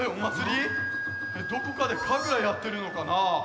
どこかでかぐらやってるのかな？